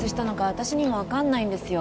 私にも分かんないんですよ